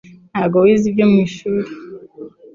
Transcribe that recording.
Ntabwo wize ibyo mwishuri